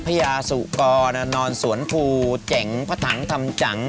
พระยาสุกรนอนสวนภูร์เจ๋งพะถังทำจัง